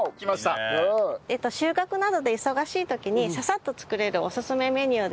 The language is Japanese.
収穫などで忙しい時にササッと作れるオススメメニューです。